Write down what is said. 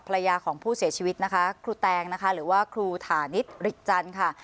ภรรยาของผู้เสียชีวิตนะคะครูแตงนะคะหรือว่าครูฐานิตฤทจันทร์ค่ะ